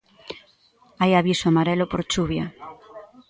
Hai aviso amarelo por chuvia.